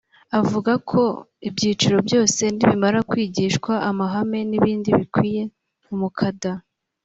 Avuga ko ibyiciro byose nibamara kwigishwa amahame n’ibindi bikwiye umukada